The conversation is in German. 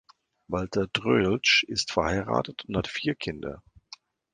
Walter Troeltsch ist verheiratet und hat vier Kinder.